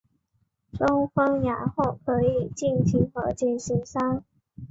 双方然后可以进行和解协商。